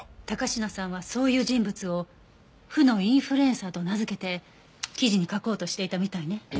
高階さんはそういう人物を「負のインフルエンサー」と名付けて記事に書こうとしていたみたいね。